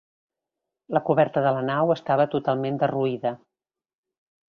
La coberta de la nau estava totalment derruïda.